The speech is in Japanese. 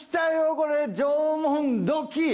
これ縄文土器！